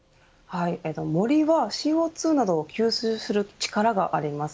森はＣＯ２などを吸収する力があります。